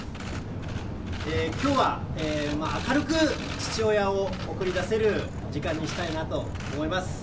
きょうは明るく父親を送り出せる時間にしたいなと思います。